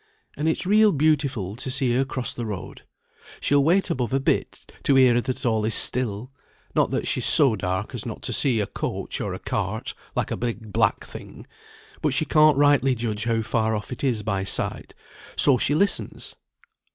And it's real beautiful to see her cross the road. She'll wait above a bit to hear that all is still; not that she's so dark as not to see a coach or a cart like a big black thing, but she can't rightly judge how far off it is by sight, so she listens.